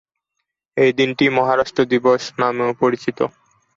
এই দিনটি মহারাষ্ট্র দিবস নামেও পরিচিত।